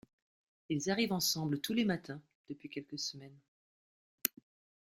Ils arrivent ensemble tous les matins depuis quelques semaines.